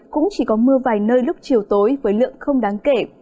cũng chỉ có mưa vài nơi lúc chiều tối với lượng không đáng kể